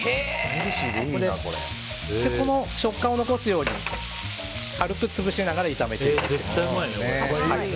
この食感を残すように軽く潰しながら炒めていきます。